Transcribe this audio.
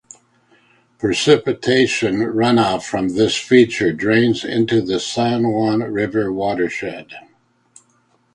Precipitation runoff from this feature drains into the San Juan River watershed.